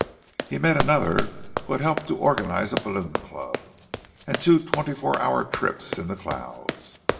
He met another who had helped to organize a balloon club, and two twenty four hour trips in the clouds.